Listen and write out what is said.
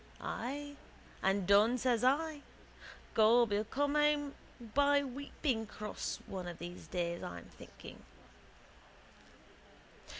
Ay, and done says I. Gob, he'll come home by weeping cross one of those days, I'm thinking.